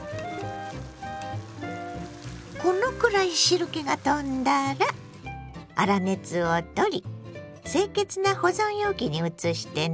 このくらい汁けが飛んだら粗熱を取り清潔な保存容器に移してね。